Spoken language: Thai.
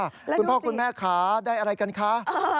ฝ่างว่าคุณพ่อคุณแม่ค่ะได้อะไรกันค่ะ